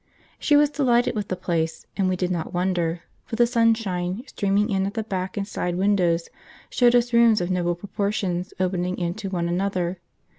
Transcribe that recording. She was delighted with the place, and we did not wonder, for the sunshine, streaming in at the back and side windows, showed us rooms of noble proportions opening into one another.